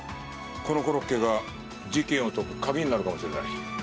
このコロッケが事件を解く鍵になるかもしれない。